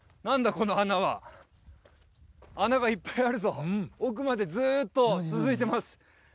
この穴は穴がいっぱいあるぞ奥までずっと続いてます